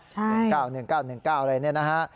๑๙๑๙๑๙อะไรอย่างนี้นะฮะ